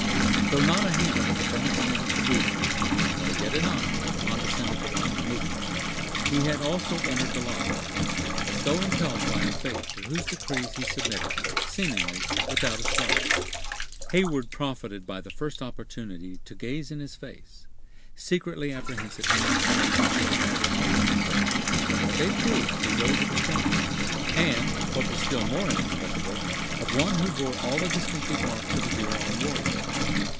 Though not a hand had been extended to greet him, nor yet an eye had condescended to watch his movements, he had also entered the lodge, as though impelled by a fate to whose decrees he submitted, seemingly, without a struggle. Heyward profited by the first opportunity to gaze in his face, secretly apprehensive he might find the features of another acquaintance; but they proved to be those of a stranger, and, what was still more inexplicable, of one who bore all the distinctive marks of a Huron warrior.